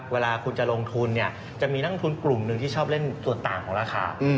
เวลาคุณจะลงทุนเนี่ยจะมีนักลงทุนกลุ่มหนึ่งที่ชอบเล่นส่วนต่างของราคา